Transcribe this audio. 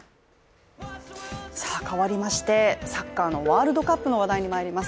変わりまして、サッカーのワールドカップの話題にまいります。